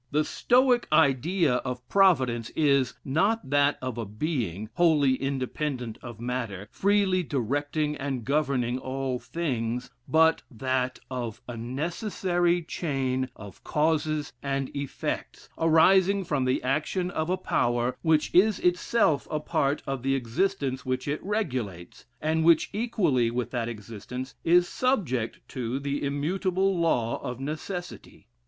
The Stoic idea of Providence is, not that of a being, wholly independent of matter, freely directing and governing all things, but that of a necessary chain of causes and effects, arising from the action of a power, which is itself a part of the existence which it regulates, and which equally with that existence is subject to the immutable law of necessity.